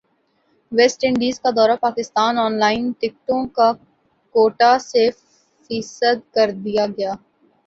waste Indies کا دورہ Pakistan online ٹکٹوں کاکوٹہ سے فیصد کردیاگیا